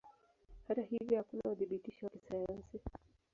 Hata hivyo hakuna uthibitisho wa kisayansi.